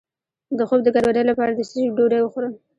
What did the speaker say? د خوب د ګډوډۍ لپاره د څه شي ډوډۍ وخورم؟